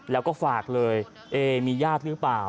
แล้วก็ฝากเลยเอมีญาติหรือเปล่า